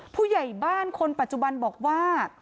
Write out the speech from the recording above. ผู้ใหญ่บ้านคนปัจจุบันบอกว่า